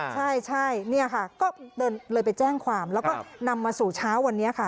ใช่เนี่ยค่ะก็เลยไปแจ้งความแล้วก็นำมาสู่เช้าวันนี้ค่ะ